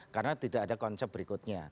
karena tidak ada konsep berikutnya